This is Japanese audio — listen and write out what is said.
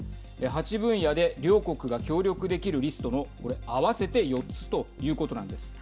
８分野で両国が協力できるリストのこれ合わせて４つということなんです。